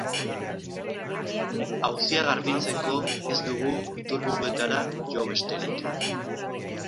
Auzia garbitzeko, ez dugu iturburuetara jo besterik.